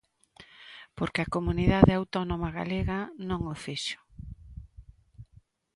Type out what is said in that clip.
Porque a comunidade autónoma galega non o fixo.